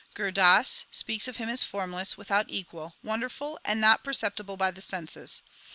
Gur Das speaks of Him as formless, without equal, wonderful, and not perceptible by the senses.